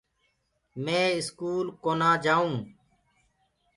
مي اسڪول ڪونآئونٚ جآئونٚ